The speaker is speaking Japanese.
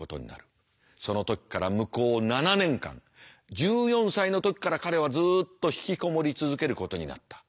その時から向こう７年間１４歳の時から彼はずっと引きこもり続けることになった。